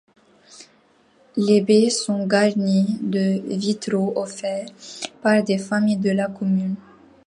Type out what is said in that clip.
Les baies sont garnies de vitraux offerts par des familles de la commune.